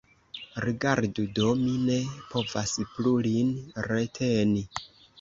Rigardu do, mi ne povas plu lin reteni.